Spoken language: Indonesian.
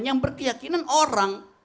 yang berkeyakinan orang